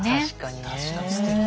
確かにねえ。